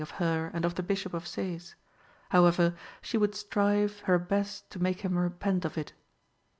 of her and of the Bishop of Sees; however, she would strive her best to make him repent of it.